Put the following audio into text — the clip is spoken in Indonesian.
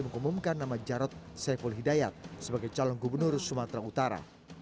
mengumumkan nama jarod saiful hidayat sebagai calon gubernur sumatera utara